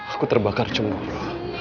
aku terbakar cemburu